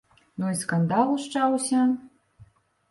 Ну і скандал усчаўся.